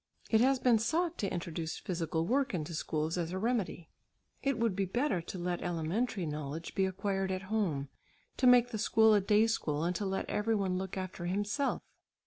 It has been sought to introduce physical work into schools as a remedy. It would be better to let elementary knowledge be acquired at home, to make the school a day school, and to let every one look after himself.